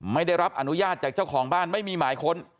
ไม่ได้รับอนุญาตจากเจ้าของบ้านไม่มีหมายค้น